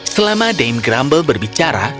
selama dame grumble berbicara